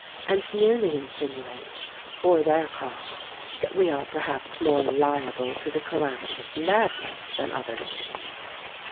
and nearly insinuates, for their cause, that we are perhaps more liable to the calamity of madness than other nations.